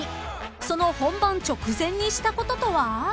［その本番直前にしたこととは］